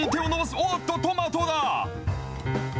おっとトマトだ。